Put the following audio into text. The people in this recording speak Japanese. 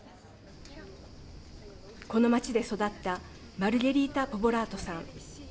この街で育ったマルゲリータ・ポボラートさん。